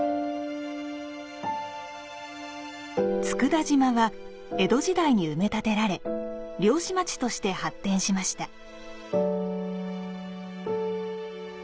佃島は江戸時代に埋め立てられ、漁師町として発展しました。